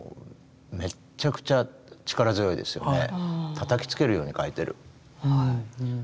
たたきつけるように描いてる。